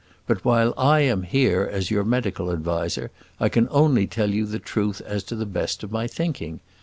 But while I am here as your medical adviser, I can only tell you the truth to the best of my thinking.